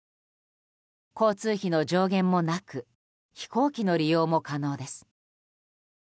交通費の上限もなく飛行機の利用も可能です。